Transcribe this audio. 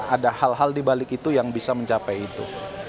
ada hal hal dibalik itu yang bisa mencapai itu